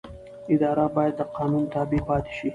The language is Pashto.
اداره باید د قانون تابع پاتې شي.